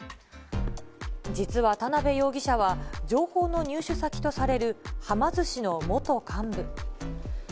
実は田辺容疑者は、情報の入手先とされるはま寿司の元幹部。